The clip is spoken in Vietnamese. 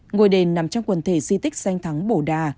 ngôi đền nằm trong quần thể di tích danh thắng bổ đà